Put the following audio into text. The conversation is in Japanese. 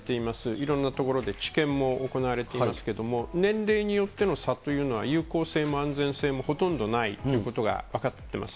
いろんなところで治験も行われていますけれども、年齢によっての差というのは、有効性も安全性もほとんどないということが分かってます。